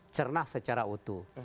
cernah secara utuh